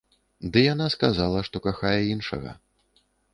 Ды яна сказала, што кахае іншага.